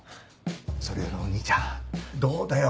それよりお兄ちゃんどうだよ？